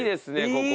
ここ。